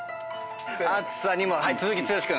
「暑さにも」はい続き剛君。